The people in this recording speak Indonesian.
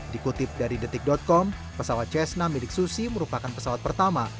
dikutip dari detik com pesawat cessna milik susi merupakan pesawat pertama